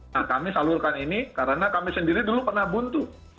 nah kami salurkan ini karena kami sendiri dulu pernah buntu